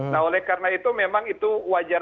nah oleh karena itu memang itu wajar